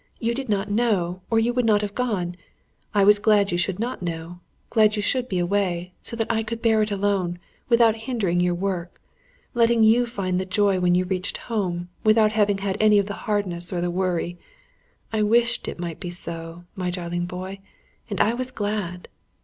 You did not know, or you would not have gone. I was glad you should not know, glad you should be away, so that I could bear it alone, without hindering your work; letting you find the joy when you reached home, without having had any of the hardness or the worry. I wished it to be so, my darling boy and I was glad."